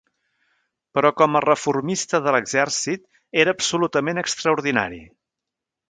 Però com a reformista de l'exèrcit, era absolutament extraordinari.